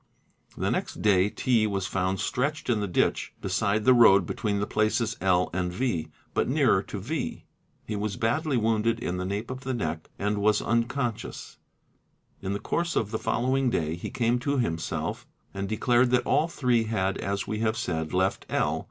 The next day T. was found stretched in the ditch beside the road between the places L. and V. but nearer to V. He was badly wounded in the nape of the neck and was unconscious; in the course of | the following day he came to himself and declared that all three had, as we have said, left L.